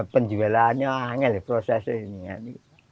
penjualannya prosesnya ini